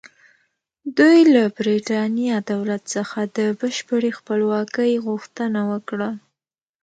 دوی له برېټانیا دولت څخه د بشپړې خپلواکۍ غوښتنه وکړه.